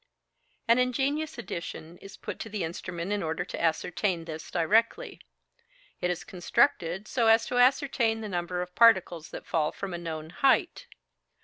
An ingenious addition is put to the instrument in order to ascertain this directly. It is constructed so as to ascertain the number of particles that fall from a known height.